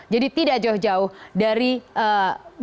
jadi tidak jauh jauh dari singapura